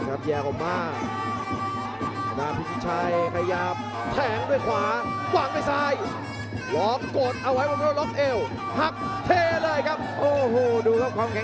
แล้วก็แยกออกมา